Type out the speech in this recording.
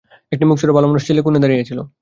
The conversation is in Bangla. একটি মুখচোরা ভালোমানুষ ছেলে কোণে দাঁড়িয়ে ছিল।